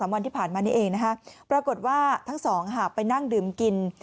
วันที่ผ่านมานี้เองนะฮะปรากฏว่าทั้งสองหากไปนั่งดื่มกิน